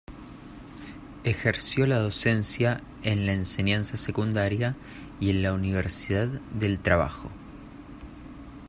Ejerció la docencia en la Enseñanza Secundaria y en la Universidad del Trabajo.